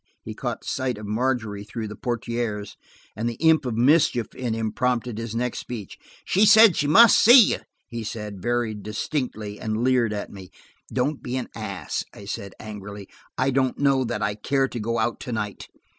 He caught sight of Margery through the portières, and the imp of mischief in him prompted his next speech. "She said she must see you," he said, very distinctly, and leered at me. "Don't be an ass," I said angrily. "I don't know that I care to go out to night."